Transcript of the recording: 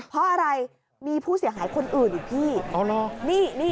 เพราะอะไรมีผู้เสียหายคนอื่นอีกพี่